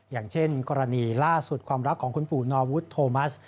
อย่างเช่นกรณีล่าสุดความรักของคุณปู่นอวุฒโธมัส